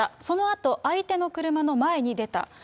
そのあと相手の車の前に出た。